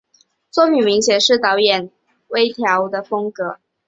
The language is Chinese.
作品明显是导演押井守缓慢步调的风格。